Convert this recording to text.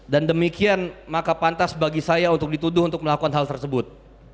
dan demikian maka pantas bagi saya untuk dituduh untuk melakukan hal tersebut